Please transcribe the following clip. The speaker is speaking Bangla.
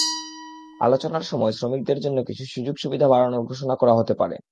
আলোচনার সময় শ্রমিকদের জন্য কিছু সুযোগ-সুবিধা বাড়ানোর ঘোষণা করা হতে পারে।